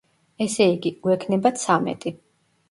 ესე იგი, გვექნება ცამეტი.